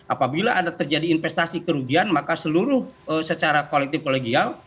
apabila ada terjadi investasi kerugian maka seluruh secara kolektif kolegial